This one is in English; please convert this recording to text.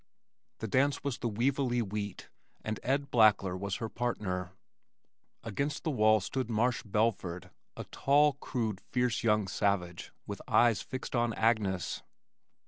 The dance was "The Weevilly Wheat" and Ed Blackler was her partner. Against the wall stood Marsh Belford, a tall, crude, fierce young savage with eyes fixed on Agnes.